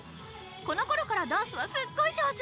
この頃からダンスはすっごい上手。